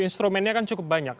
instrumennya kan cukup banyak